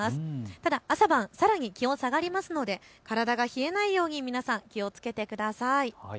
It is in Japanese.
ただ朝晩、さらに気温が下がりますので体が冷えないように皆さん、気をつけてください。